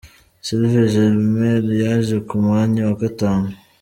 Sylvia Jemel yaje ku mwanya wa gatanu.